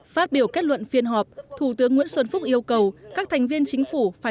phát biểu kết luận phiên họp thủ tướng nguyễn xuân phúc yêu cầu các thành viên chính phủ phải